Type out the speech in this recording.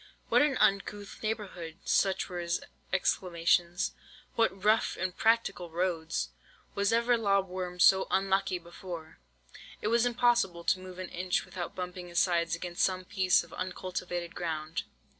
"'What an uncouth neighbourhood!' Such were his exclamations. 'What rough impracticable roads! Was ever lob worm so unlucky before!' It was impossible to move an inch without bumping his sides against some piece of uncultivated ground.